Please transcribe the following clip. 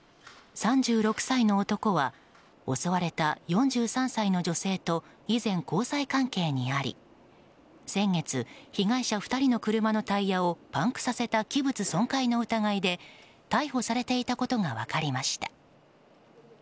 ３６歳の男は襲われた４３歳の女性と以前、交際関係にあり先月、被害者２人の車のタイヤをパンクさせた器物損壊の疑いで逮捕されていたことが分かりました。